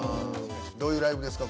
どういうライブですか？